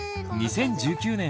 ２０１９年